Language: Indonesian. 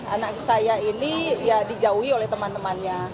anak saya ini ya dijauhi oleh teman temannya